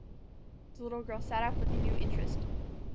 The little girl sat up with a new interest.